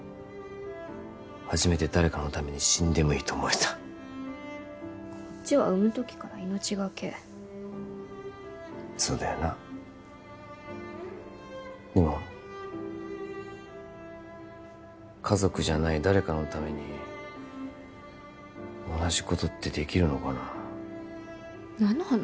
初めて誰かのために死んでもいいと思えたこっちは産む時から命がけそうだよなでも家族じゃない誰かのために同じことってできるのかな何の話？